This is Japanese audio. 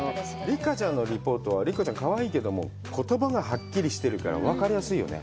六花ちゃんのリポートは、六花ちゃん、かわいいけど、言葉がはっきりしているから、分かりやすいよね。